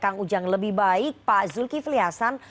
kang ujang lebih baik pak zulkifli hasan